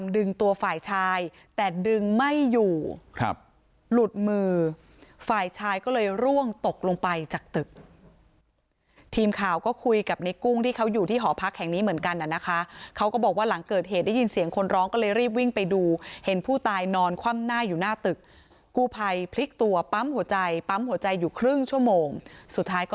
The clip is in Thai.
ดึงตัวฝ่ายชายแต่ดึงไม่อยู่ครับหลุดมือฝ่ายชายก็เลยร่วงตกลงไปจากตึกทีมข่าวก็คุยกับในกุ้งที่เขาอยู่ที่หอพักแห่งนี้เหมือนกันน่ะนะคะเขาก็บอกว่าหลังเกิดเหตุได้ยินเสียงคนร้องก็เลยรีบวิ่งไปดูเห็นผู้ตายนอนคว่ำหน้าอยู่หน้าตึกกู้ภัยพลิกตัวปั๊มหัวใจปั๊มหัวใจอยู่ครึ่งชั่วโมงสุดท้ายก็